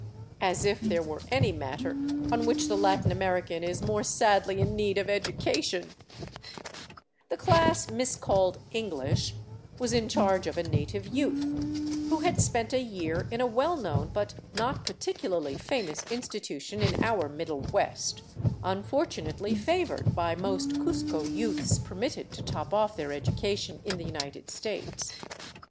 As if there were any matter on which the Latin American is more sadly in need of education 1 The class miscalled " English " was in charge of a native youth who had spent a year in a well known but not particularly famous institu tion in our Middle West, unfortunately favored by most Cuzco youths permitted to top off their education in the United States.